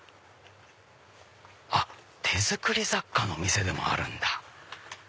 あっ手作り雑貨の店でもあるんだ。